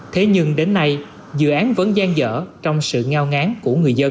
thế nhưng đến nay dự án vẫn gian dở trong sự ngao ngán của người dân